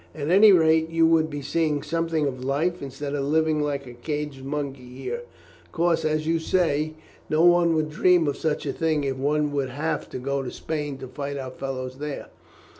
At any rate, you would be seeing something of life, instead of living like a caged monkey here. Of course, as you say, no one would dream of such a thing if one would have to go to Spain to fight our fellows there.